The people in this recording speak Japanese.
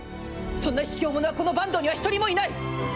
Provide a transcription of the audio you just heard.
そんなひきょう者は、この坂東には一人もいない。